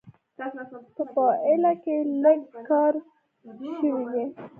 په پایله کې لږ کار ورباندې شوی تر څو کوټ شي.